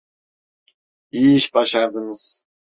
İyi iş başardınız.